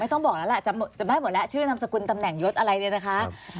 ต้องบอกแล้วล่ะจำได้หมดแล้วชื่อนามสกุลตำแหน่งยศอะไรเนี่ยนะคะ